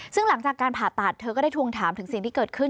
ซึ่งหลังจากการผ่าตัดเธอก็ได้ทวงถามถึงสิ่งที่เกิดขึ้น